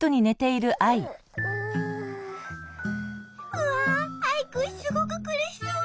うわアイくんすごくくるしそう。